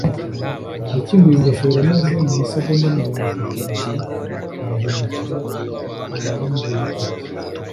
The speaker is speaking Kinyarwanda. yakinguye ingofero maze mu masegonda mirongo itatu gusa arahindukira arambwira ati